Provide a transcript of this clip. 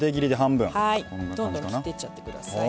どんどん切っていっちゃってください。